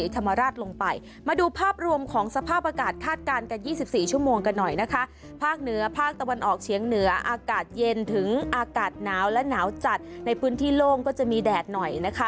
ตะวันออกเชียงเหนืออากาศเย็นถึงอากาศหนาวและหนาวจัดในพื้นที่โล่งก็จะมีแดดหน่อยนะคะ